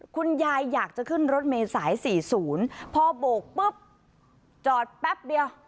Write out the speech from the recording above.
คุณยายอยากจะขึ้นรถเมษาย๔๐พอโบกปุ๊บจอดแป๊บเดียว